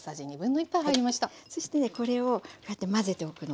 そしてねこれをこうやって混ぜておくの。